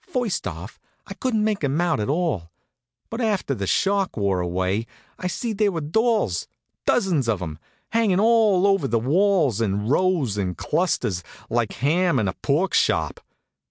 First off I couldn't make 'em out at all; but after the shock wore away I see they were dolls, dozens of 'em, hangin' all over the walls in rows and clusters, like hams in a pork shop.